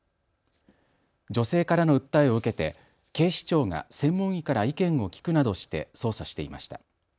女性からの訴えを受けて警視庁が専門医から意見を聞くなどして捜査していました。